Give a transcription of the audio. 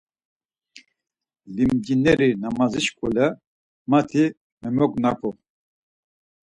Limcineri namazi şuǩule mati memognapu.